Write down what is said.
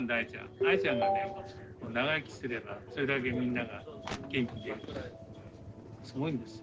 アイちゃんがね長生きすればそれだけみんなが元気出るしすごいんですよ